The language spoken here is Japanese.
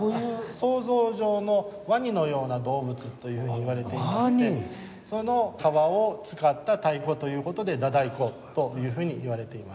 想像上のワニのような動物というふうにいわれていましてその皮を使った太鼓という事で太鼓というふうにいわれています。